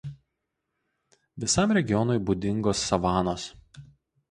Visam regionui būdingos savanos.